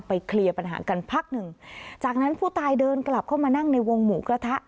เคลียร์ปัญหากันพักหนึ่งจากนั้นผู้ตายเดินกลับเข้ามานั่งในวงหมูกระทะ